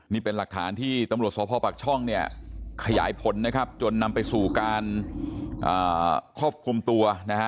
นี่เป็นหลักฐานที่ตำรวจสพปักช่องเนี่ยขยายผลนะครับจนนำไปสู่การควบคุมตัวนะฮะ